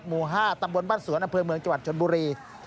หมู่๕ตำบลบ้านสวนอำเภอเมืองจังหวัดชนบุรี